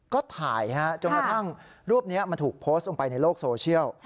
ก็ถ่ายจนกระทั่งรูปนี้มันถูกโพสต์ลงไปในโลกโซเชียล